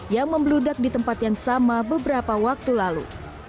yang membeludak di tempat yang sama beberapa waktu lalu